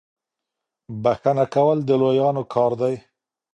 بخښنه کول د لويانو کار دی.